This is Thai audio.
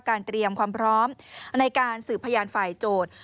เตรียมความพร้อมในการสืบพยานฝ่ายโจทย์